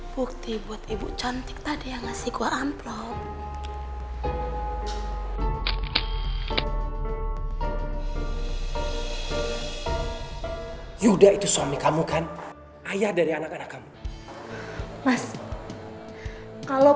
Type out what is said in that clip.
bukti buat ibu cantik tadi yang ngasih gue amplop